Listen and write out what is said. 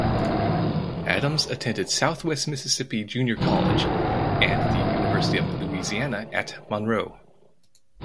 Adams attended Southwest Mississippi Junior College and the University of Louisiana at Monroe.